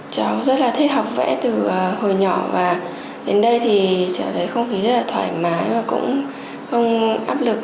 cháu rất là thích học vẽ từ hồi nhỏ và đến đây thì cháu thấy không khí rất là thoải mái và cũng không áp lực